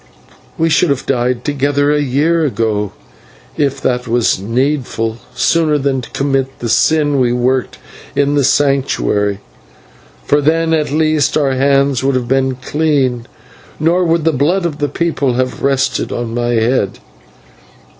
We should have died together a year ago, if that were needful, sooner than commit the sin we worked in the Sanctuary, for then at least our hands would have been clean, nor would the blood of the people have rested on my head.